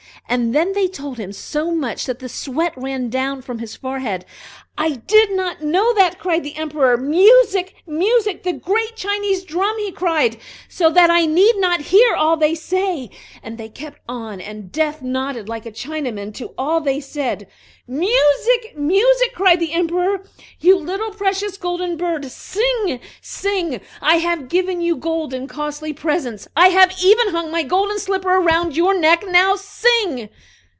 and then they told him so much that the sweat ran from his forehead. "I did not know that!" said the Emperor. "Music! music! the great Chinese drum!" he cried, "so that I need not hear all they say!" And they kept on, and Death nodded like a Chinaman to all they said. "Music! music!" cried the Emperor. "You little precious golden bird, sing, sing! I have given you gold and costly presents; I have even hung my golden slipper around your neck now, sing!"